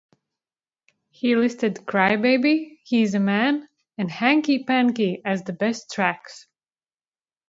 He listed "Cry Baby", "He's a Man" and "Hanky Panky" as the best tracks.